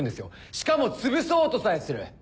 しかもつぶそうとさえする！